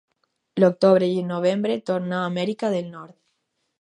L'octubre i el novembre tornà a Amèrica del Nord.